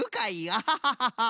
アハハハハ！